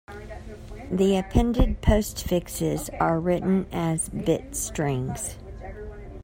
The appended postfixes are written as bit strings.